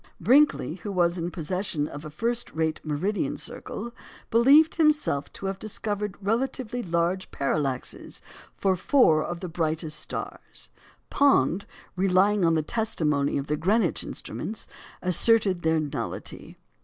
Brinkley, who was in possession of a first rate meridian circle, believed himself to have discovered relatively large parallaxes for four of the brightest stars; Pond, relying on the testimony of the Greenwich instruments, asserted their nullity.